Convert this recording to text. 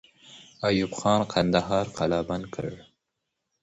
ایوب خان کندهار قلابند کړ.